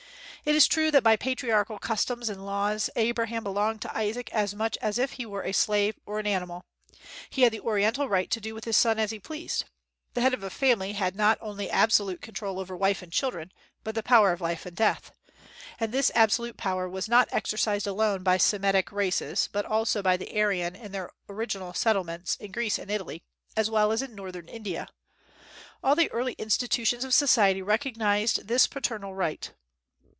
It is true that by patriarchal customs and laws Isaac belonged to Abraham as much as if he were a slave or an animal. He had the Oriental right to do with his son as he pleased. The head of a family had not only absolute control over wife and children, but the power of life and death. And this absolute power was not exercised alone by Semitic races, but also by the Aryan in their original settlements, in Greece and Italy, as well as in Northern India. All the early institutions of society recognized this paternal right.